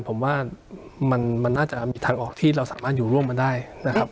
ผมว่ามันน่าจะมีทางออกที่เราสามารถอยู่ร่วมกันได้นะครับ